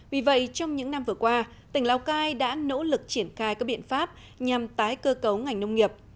vì vậy trong những năm vừa qua tỉnh lào cai đã nỗ lực triển khai các biện pháp nhằm tái cơ cấu ngành nông nghiệp